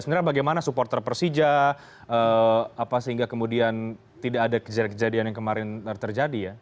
sebenarnya bagaimana supporter persija sehingga kemudian tidak ada kejadian kejadian yang kemarin terjadi ya